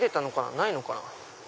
ないのかな？